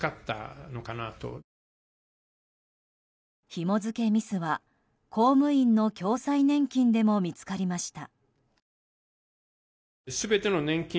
ひも付けミスは、公務員の共済年金でも見つかりました。